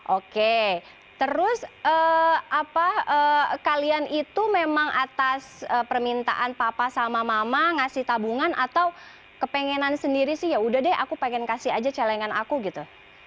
oke terus apa kalian itu memang atas permintaan papa sama mama ngasih tabungan atau kepengenan sendiri sih ya udah deh aku pengen kasih aja celengan aku gitu